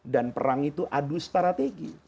dan perang itu adu strategi